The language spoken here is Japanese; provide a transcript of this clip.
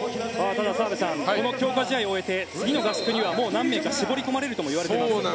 澤部さん、この強化試合を終えて次の合宿にはもう何名か絞り込まれるともいわれています。